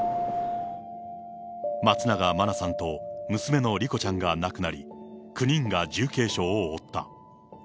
松永真菜さんと娘の莉子ちゃんが亡くなり、９人が重軽傷を負った。